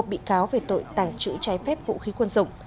một bị cáo về tội tàng trữ trái phép vũ khí quân dụng